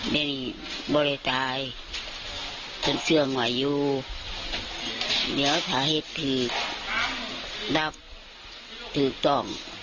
เป็นอีกบริจาคเป็นเชื่อว่าอยู่เดี๋ยวสาเหตุที่รับถือต้อง